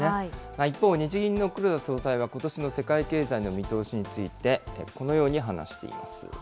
一方、日銀の黒田総裁はことしの世界経済の見通しについて、このように話しています。